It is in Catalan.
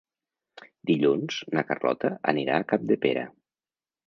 Dilluns na Carlota anirà a Capdepera.